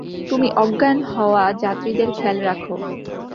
তুমি অজ্ঞান হওয়া যাত্রীদের খেয়াল রাখো।